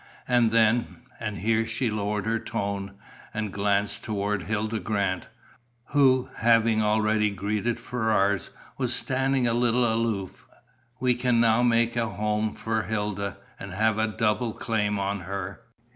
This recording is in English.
And then" and here she lowered her tone, and glanced toward Hilda Grant, who, having already greeted Ferrars, was standing a little aloof "we can now make a home for Hilda, and have a double claim on her."